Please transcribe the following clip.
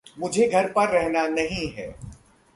मुझे घर पर रहना नहीं है।